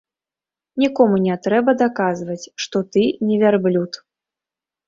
Нікому не трэба даказваць, што ты не вярблюд.